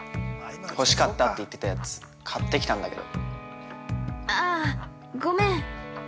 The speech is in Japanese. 欲しかったって言ってたやつ買ってきたんだけど。